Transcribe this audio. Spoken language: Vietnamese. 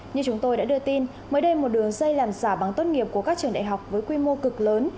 như chúng tôi đã đưa tin mới đây một đường dây làm giả bằng tốt nghiệp của các trường đại học với quy mô cực lớn